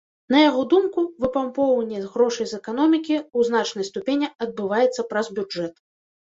На яго думку, выпампоўванне грошай з эканомікі ў значнай ступені адбываецца праз бюджэт.